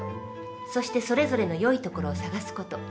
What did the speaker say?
そしてそれぞれの良いところを探す事。